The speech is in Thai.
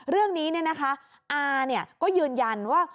เรื่องนี้เนี่ยนะคะอาเนี่ยก็ยืนยันว่า